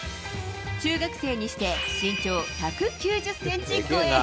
中学生にして身長１９０センチ超え。